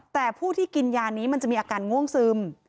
แต่ผู้ที่กินยานี้มันจะมีอาการง่วงซึม